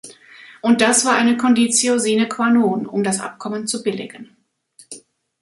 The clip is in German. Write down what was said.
Und das war eine Conditio sine qua non, um das Abkommen zu billigen.